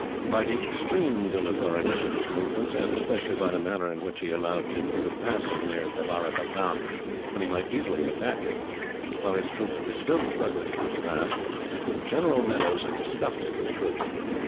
By the extreme dilatoriness of his movements, and especially by the manner in which he had allowed Tippoo to pass him near Caveripatam, when he might easily have attacked him, while his army was still struggling through the pass, General Meadows had disgusted his troops.